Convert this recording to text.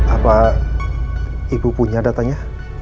apa ibu punya datanya